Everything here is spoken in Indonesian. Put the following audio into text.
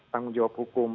tanggung jawab hukum